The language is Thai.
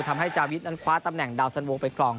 ทำให้จาวิทนั้นคว้าตำแหน่งดาวสันโวไปกรอง